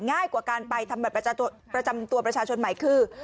ง่ายกว่าการไปทำบัตรประจำตัวประชาชนใหม่คือ